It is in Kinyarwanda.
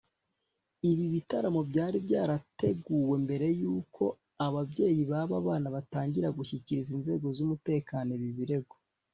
Ibi bitaramo byari byarateguwe mbere y’uko ababyeyi b’aba bana batangira bashyikiriza inzego z’umutekano ibi birego